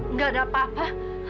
enggak ada apa apa